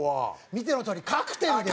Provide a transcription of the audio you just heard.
見てのとおり『カクテル』ですよ。